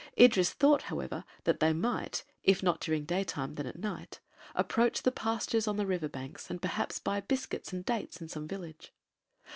Idris thought, however, that they might, if not during daytime then at night, approach the pastures on the river banks and perhaps buy biscuits and dates in some village.